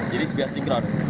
jadi biar sinkron